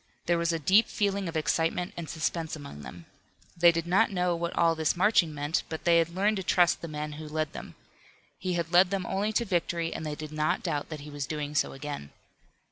There was a deep feeling of excitement and suspense among them. They did not know what all this marching meant, but they had learned to trust the man who led them. He had led them only to victory, and they did not doubt that he was doing so again.